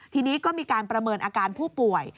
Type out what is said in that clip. ทีนี้ก็มีการประเมินอาการผู้ป่วย